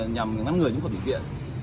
nhằm ngăn ngừa những khuẩn bệnh viện